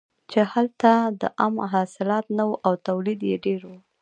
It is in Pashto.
چې هلته د عم حاصلات نه وو او تولید یې ډېر و.